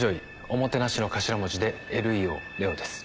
おもてなしの頭文字でＬＥＯＬＥＯです。